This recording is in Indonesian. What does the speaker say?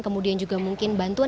kemudian juga mungkin bantuan